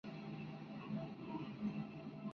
Aún hoy una calle recuerda su nombre.